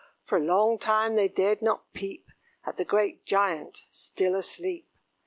For a long time they dared not peep At the great giant, still asleep.